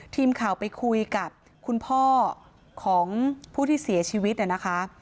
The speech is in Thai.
ทีมข่าวไปคุยกับคุณพ่อของผู้ที่เสียชีวิตเนี่ยนะคะ